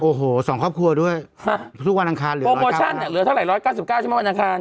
โอ้โหสองครอบครัวด้วยหลุดวันอังคารปโปรโชนเหลือเท่าไหร่๑๙๙ใช่ไหมวันอังคาร